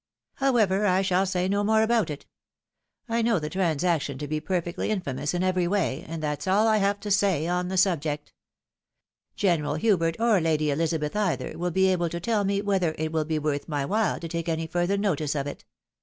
However, I shall say no more about it. I know the transaction to be perfectly infamous in every way, OFFICIAL CIVILITY. 71 and that's all I have to say on the subject. General Hubert, or Lady Elizabeth either, wiU be able to tell me whether it will be worth my while to take any further notice of it.